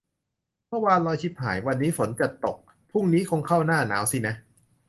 เมื่อวานร้อนชิบหาย วันนี้ฝนจะตก พรุ้งนี้คงเข้าหน้าหนาวสินะ